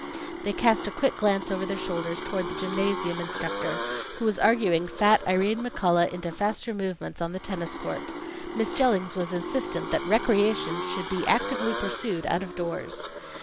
They cast a quick glance over their shoulders toward the gymnasium instructor, who was arguing fat Irene McCullough into faster movements on the tennis court. Miss Jellings was insistent that "recreation" should be actively pursued out of doors.